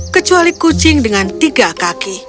kecuali kucing dengan tiga kaki